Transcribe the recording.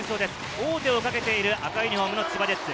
王手をかけている赤いユニフォームの千葉ジェッツ。